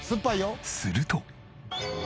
すると。